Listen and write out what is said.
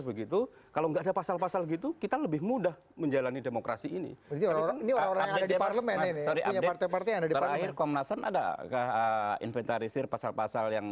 begitu kalau nggak ada pasal pasal gitu kita lebih mudah menjalani demokrasi ini